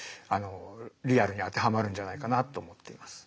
リアルに当てはまるんじゃないかなと思っています。